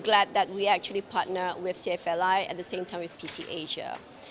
jadi kami senang bahwa kami benar benar bertunang dengan cfli dan juga dengan pc asia